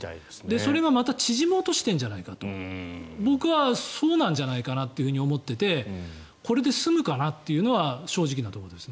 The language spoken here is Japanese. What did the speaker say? それがまた縮もうとしているんじゃないかと僕はそうなんじゃないかなと思っていてこれで済むかなというのが正直なところです。